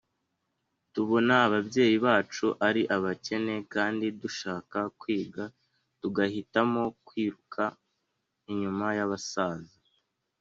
"Tubona ababyeyi bacu ari abakene kandi dushaka kwiga tugahitamo kwiruka inyuma y’aba basaza